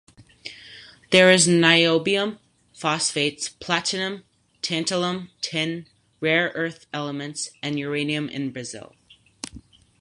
There is niobium, phosphates, platinum, tantalum, tin, rare earth elements, and uranium in Brazil.